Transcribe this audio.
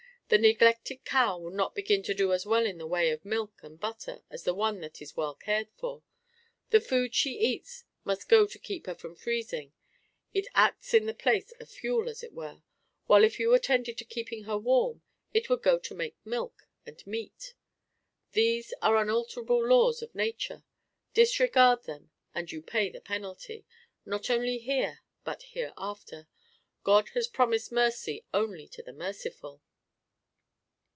The neglected cow will not begin to do as well in the way of milk and butter as the one that is well cared for. The food she eats must go to keep her from freezing; it acts in the place of fuel, as it were, while if you attended to keeping her warm, it would go to make milk and meat. These are unalterable laws of nature; disregard them and you pay the penalty, not only here but hereafter. God has promised mercy only to the merciful."